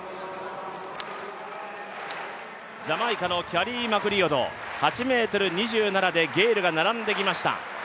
ジャマイカのキャリー・マクリオド、８ｍ２７でゲイルが並んできました。